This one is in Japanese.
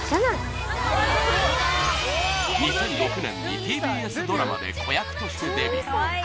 ２００６年にＴＢＳドラマで子役としてデビュー